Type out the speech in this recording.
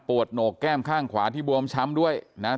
โหนกแก้มข้างขวาที่บวมช้ำด้วยนะครับ